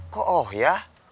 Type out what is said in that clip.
kok oh ya